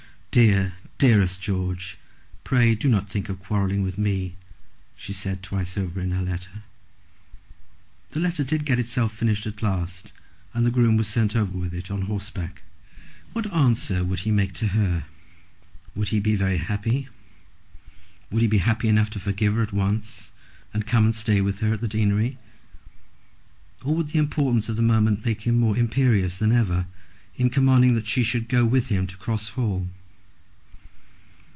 "Dear, dearest George, pray do not think of quarrelling with me," she said twice over in her letter. The letter did get itself finished at last, and the groom was sent over with it on horseback. What answer would he make to her? Would he be very happy? would he be happy enough to forgive her at once and come and stay with her at the deanery? or would the importance of the moment make him more imperious than ever in commanding that she should go with him to Cross Hall.